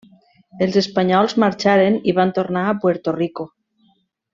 Els espanyols marxaren i van tornar a Puerto Rico.